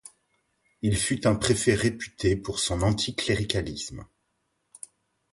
Il fut un préfet réputé pour son anticléricalisme.